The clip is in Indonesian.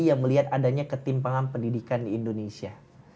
yang melihat adanya ketimpangan pendidikan di indonesia